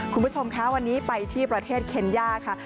คุณผู้ชมคะวันนี้ไปที่ประเทศเคนย่าค่ะ